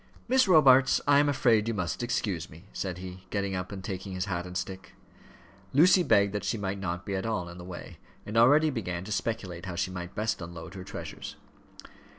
"Miss Robarts, I am afraid you must excuse me," said he, getting up and taking his hat and stick. Lucy begged that she might not be at all in the way, and already began to speculate how she might best unload her treasures.